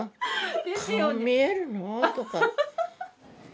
「顔見えるの？」とか。